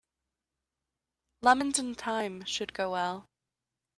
Lemons and thyme should go well.